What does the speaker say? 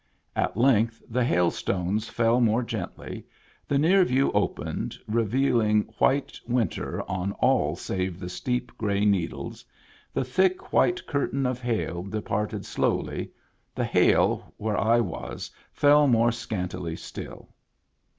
At length the hail stones fell more gently, the near view opened, revealing white winter on all save the steep, gray Needles; the thick, white curtain of hail departed slowly; the hail where I was fell more scantily still.